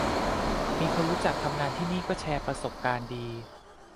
มีคนรู้จักทำงานที่นี่ก็แชร์ประสบการณ์ดี